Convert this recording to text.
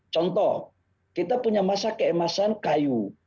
contoh kita punya masa keemasan kayu